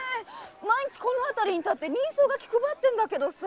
毎日この辺りに立って人相書きくばってんだけどさ。